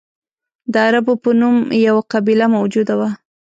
د عربو په نوم یوه قبیله موجوده وه.